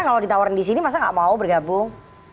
kalau ditawarin di sini masa nggak mau bergabung